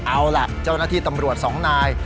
เอาล่ะเจ้าหน้าที่ตำรวจสองนาย